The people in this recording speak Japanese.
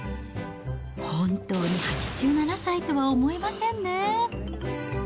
本当に８７歳とは思えませんね。